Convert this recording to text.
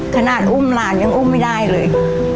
ขนาดอุ้มหลานยังอุ้มไม่ได้เลย